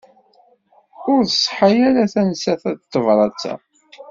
Ur tṣeḥḥa ara tansa n tebrat-a.